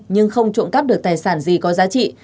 nhưng không trộm cắp được tài sản gì có giá trị